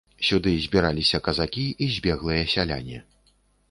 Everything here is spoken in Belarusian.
Сюды збіраліся казакі і збеглыя сяляне.